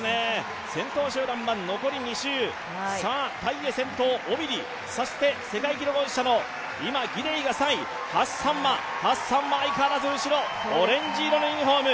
先頭集団は残り２州、タイエ先頭、オビリ、そして世界記録保持者のギデイが３位、ハッサンは相変わらず後ろ、オレンジ色のユニフォーム。